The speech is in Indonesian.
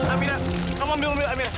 aminah kamu ambil mobil aminah